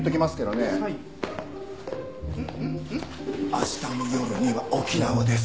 「明日の夜には沖縄です」